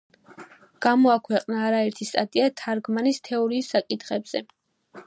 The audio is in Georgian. გამოაქვეყნა არა ერთი სტატია თარგმანის თეორიის საკითხებზე.